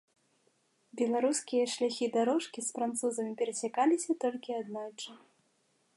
Беларускія шляхі-дарожкі з французамі перасякаліся толькі аднойчы.